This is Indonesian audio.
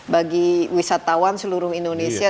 bagi wisatawan seluruh indonesia